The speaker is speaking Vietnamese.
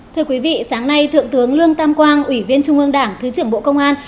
thưa quý vị sáng nay thượng tướng lương tam quang ủy viên trung ương đảng thứ trưởng bộ công an